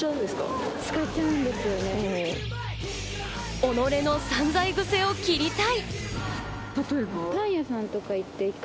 己の散財癖を切りたい。